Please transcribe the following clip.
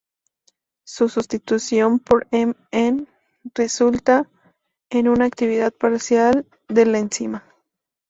Su sustitución por Mn resulta en una actividad parcial de la enzima.